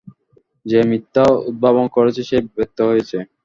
যে মিথ্যা উদ্ভাবন করেছে সেই ব্যর্থ হয়েছে।